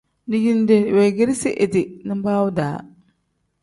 Dijinde weegeresi idi nibaawu-daa.